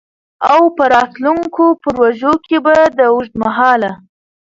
او په راتلونکو پروژو کي به د اوږدمهاله